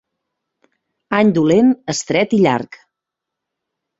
Any dolent, estret i llarg.